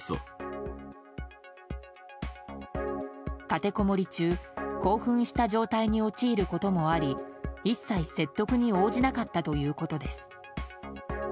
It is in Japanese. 立てこもり中興奮した状態に陥ることもあり一切、説得に応じなかったということです。